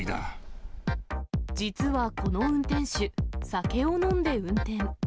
実はこの運転手、酒を飲んで運転。